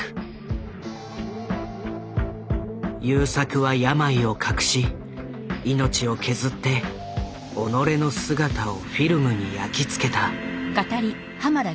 優作は病を隠し命を削って己の姿をフィルムに焼き付けた。